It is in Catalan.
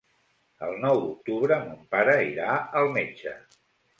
El nou d'octubre mon pare irà al metge.